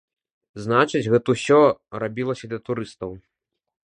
Значыць, гэта ўсё рабілася для турыстаў.